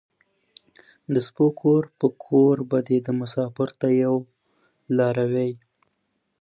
ـ د سپيو کور په کور بدي ده مسافر ته په يوه لار وي.